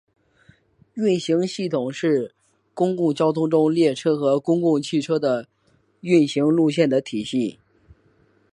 运行系统是公共交通中列车和公共汽车的运行路线的体系。